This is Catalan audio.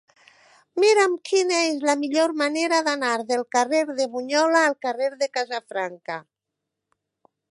Mira'm quina és la millor manera d'anar del carrer de Bunyola al carrer de Casafranca.